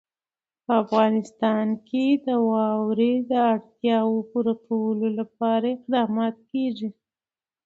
په افغانستان کې د واوره د اړتیاوو پوره کولو لپاره اقدامات کېږي.